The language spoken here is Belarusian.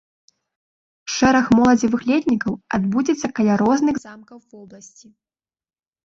Шэраг моладзевых летнікаў адбудзецца каля розных замкаў вобласці.